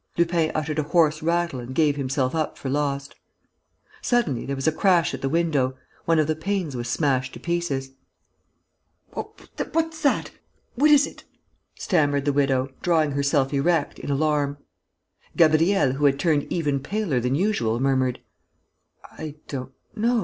Lupin uttered a hoarse rattle and gave himself up for lost. Suddenly, there was a crash at the window. One of the panes was smashed to pieces. "What's that? What is it?" stammered the widow, drawing herself erect, in alarm. Gabriel, who had turned even paler than usual, murmured: "I don't know....